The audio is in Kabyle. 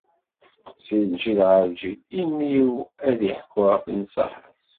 Si lǧil ɣer lǧil, imi-w ad iḥekku ɣef nnṣaḥa-s.